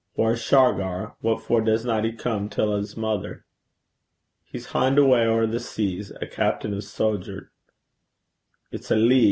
'Whaur's Shargar? What for doesna he come till 's mither?' 'He's hynd awa' ower the seas a captain o' sodgers.' 'It's a lee.